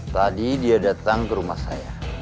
tadi dia datang ke rumah saya